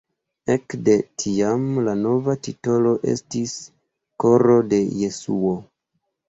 Ekde tiam la nova titolo estis Koro de Jesuo.